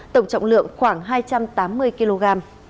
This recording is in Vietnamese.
tổng trọng lượng khoảng hai trăm tám mươi kg